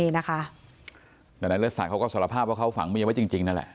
นี่นะคะแต่นายเลิศศักดิ์เขาก็สารภาพว่าเขาฝังเมียไว้จริงนั่นแหละ